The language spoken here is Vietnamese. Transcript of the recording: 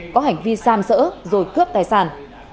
có hành vi xàm sỡ rồi cướp tài sản